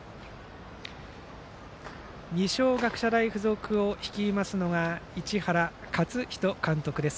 二松学舎大付属を率いるのが市原勝人監督です。